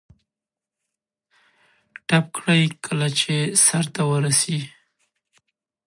دوی د سلاسي رژیم د ملاتړ نه درلودلو په اړه ډاډه شول.